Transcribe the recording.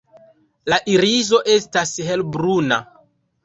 La iriso estas helbruna.